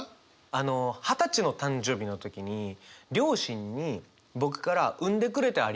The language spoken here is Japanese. あの二十歳の誕生日の時に両親に僕から「産んでくれてありがとう」ってメールをしたんですよ。